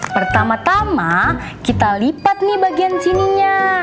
pertama tama kita lipat nih bagian sininya